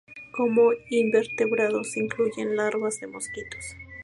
Come invertebrados, incluyendo larvas de mosquitos.